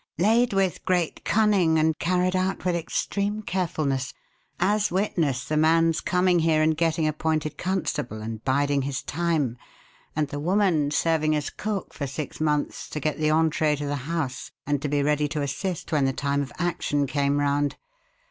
"Laid with great cunning and carried out with extreme carefulness as witness the man's coming here and getting appointed constable and biding his time, and the woman serving as cook for six months to get the entrée to the house and to be ready to assist when the time of action came round.